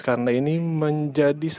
karena ini menjadi